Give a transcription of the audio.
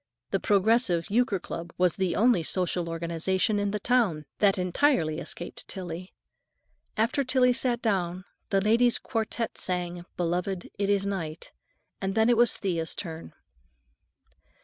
The Progressive Euchre Club was the only social organization in the town that entirely escaped Tillie. After Tillie sat down, the Ladies' Quartette sang, "Beloved, it is Night," and then it was Thea's turn.